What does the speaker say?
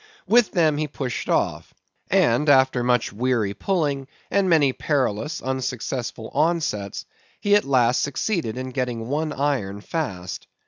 With them he pushed off; and, after much weary pulling, and many perilous, unsuccessful onsets, he at last succeeded in getting one iron fast.